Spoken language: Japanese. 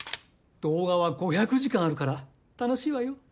動画は５００時間あるから楽しいわよ。